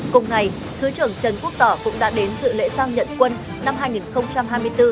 cùng ngày thứ trưởng trần quốc tỏ cũng đã đến dự lễ giao nhận quân năm hai nghìn hai mươi bốn